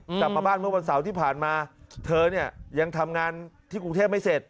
กลับมาบ้านเมื่อวันเสาร์ที่ผ่านมาเธอเนี่ยยังทำงานที่กรุงเทพไม่เสร็จ